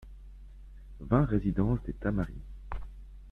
vingt résidence des Tamaris